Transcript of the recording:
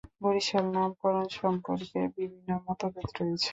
বরিশাল নামকরণ সম্পর্কে বিভিন্ন মতভেদ রয়েছে।